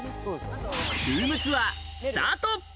ルームツアースタート。